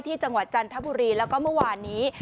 จังหวัดจันทบุรีแล้วก็เมื่อวานนี้